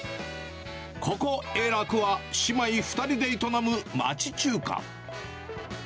ここ栄楽は、姉妹２人で営む町中華。